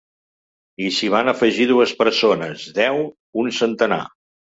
I s’hi van afegir dues persones, deu, un centenar.